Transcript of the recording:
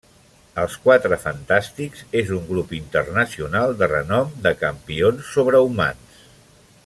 Els Quatre Fantàstics és un grup internacional de renom de campions sobrehumans.